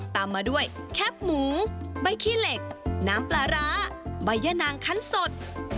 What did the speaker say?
ตามมาด้วยแคบหมูใบขี้เหล็กน้ำปลาร้าใบยะนางคันสด